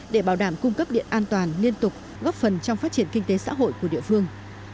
để bảo đảm cung cấp điện an toàn liên tục góp phần trong phát triển kinh tế xã hội của địa phương